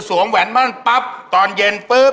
แหวนมั่นปั๊บตอนเย็นปุ๊บ